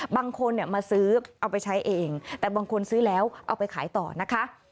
บางคนเนี่ยมาซื้อเอาไปใช้เองแต่บางคนซื้อแล้วเอาไปขายต่อนะคะ